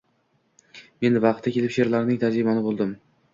Men vaqti kelib she’rlarining tarjimoni bo‘ldim.